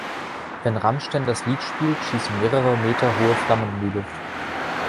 Wenn Rammstein das Lied spielt, schießen mehrere Meter hohe Flammen in die Luft.